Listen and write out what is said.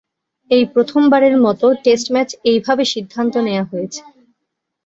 এই প্রথমবারের মত টেস্ট ম্যাচ এইভাবে সিদ্ধান্ত নেওয়া হয়েছে।